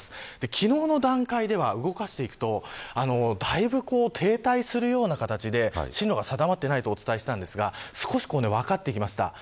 昨日の段階では、動かしていくとだいぶ停滞するような形で進路が定まっていないとお伝えしましたが少し分かってきました。